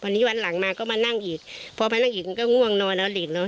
วันนี้วันหลังมาก็มานั่งอีกพ่อมานั่งอีกก็ง่วงนอนแล้ว